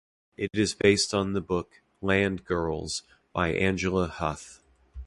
It is based on the book "Land Girls" by Angela Huth.